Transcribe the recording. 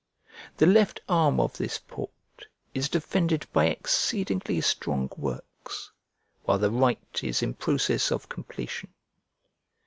The left arm of this port is defended by exceedingly strong works, while the right is in process of completion.